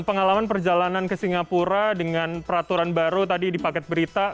pengalaman perjalanan ke singapura dengan peraturan baru tadi di paket berita